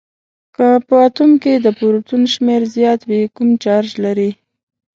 که په اتوم کې د پروتون شمیر زیات وي کوم چارج لري؟